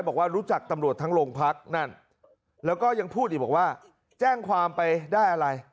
บอกว่ารู้จักตำรวจทั้งโรงพักนั่นแล้วก็ยังพูดอีกบอกว่าแจ้งความไปได้อะไร